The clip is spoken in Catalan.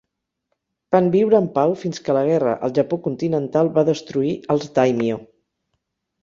Van viure en pau fins que la guerra al Japó continental va destruir els Daimyo.